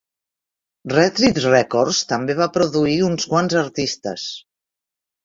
Retreat Records també va produir a uns quants artistes.